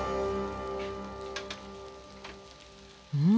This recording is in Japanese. うん！